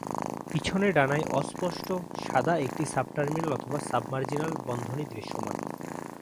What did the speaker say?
পিছনের ডানায় অস্পষ্ট, সাদা একটি সাব-টার্মিনাল অথবা সাব-মার্জিনাল বন্ধনী দৃশ্যমান।